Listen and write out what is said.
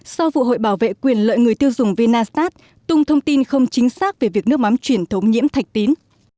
sau vụ hội bảo vệ quyền lợi người tiêu dùng vinasat tung thông tin không chính xác về việc nước mắm truyền thống nhiễm thạch tín